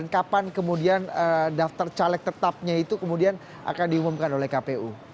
kapan kemudian daftar caleg tetapnya itu kemudian akan diumumkan oleh kpu